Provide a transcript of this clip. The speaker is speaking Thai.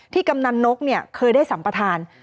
กำนันนกเคยได้สัมประธาน